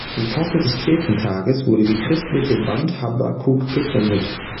Im Vorfeld des Kirchentages wurde die christliche Band Habakuk gegründet.